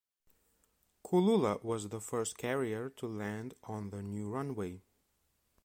Kulula was the first carrier to land on the new runway.